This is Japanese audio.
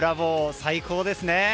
最高ですね。